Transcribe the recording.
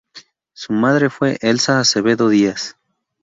Su madre fue Elsa Acevedo Díaz.